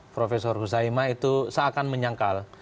profesor husaima itu seakan menyangkal